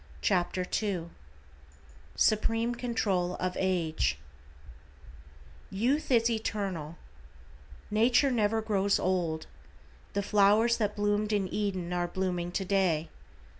=Lesson Second SUPREME CONTROL OF AGE= =YOUTH IS ETERNAL:= Nature never grows old. The flowers that bloomed in Eden are blooming to day.